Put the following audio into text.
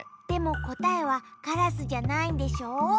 でもこたえはカラスじゃないんでしょ？